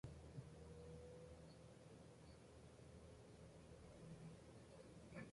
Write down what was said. Este hecho requería el establecimiento de un seminario en la nueva sede diocesana.